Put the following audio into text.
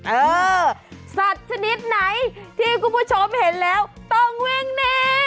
เออสัตว์ชนิดไหนที่คุณผู้ชมเห็นแล้วต้องวิ่งหนี